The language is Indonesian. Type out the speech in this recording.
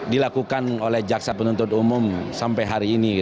dilakukan oleh jaksa penuntut umum sampai hari ini